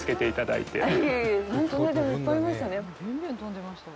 いえいえ、本当でも、いっぱいいましたね。